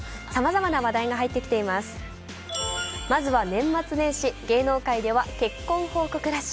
まずは年末年始、芸能界では結婚報告ラッシュ。